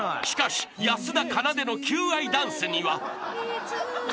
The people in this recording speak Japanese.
［しかし安田かなでの求愛ダンスには］